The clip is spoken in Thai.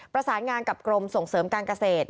ประสานงานกับกรมส่งเสริมการเกษตร